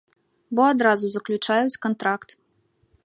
Бо адразу заключаюць кантракт.